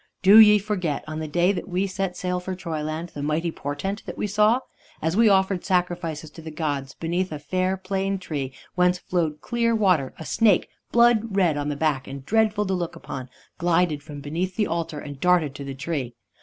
Do ye forget, on the day that we set sail for Troyland, the mighty portent that we saw? As we offered sacrifices to the gods beneath a fair plane tree whence flowed clear water, a snake, blood red on the back and dreadful to look upon, glided from beneath the altar and darted to the tree.